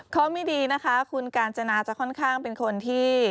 ข้อไม่ดีนะคะคุณกาญจนาจะค่อนข้างเป็นคนที่